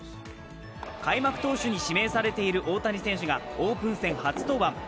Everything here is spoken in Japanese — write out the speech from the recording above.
開幕投手に指名されている大谷選手がオープン戦初登板。